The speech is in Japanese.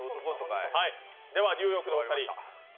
ではニューヨークのお二人。